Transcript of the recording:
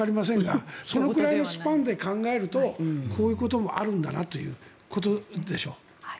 そのくらいのスパンで考えるとこういうこともあるんだなということでしょ。